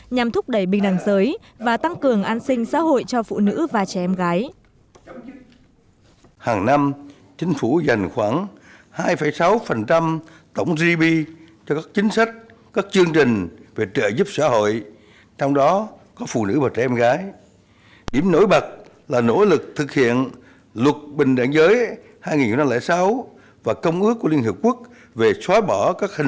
nhằm thúc đẩy bình đẳng giới và tăng cường an sinh xã hội cho phụ nữ và chị em gái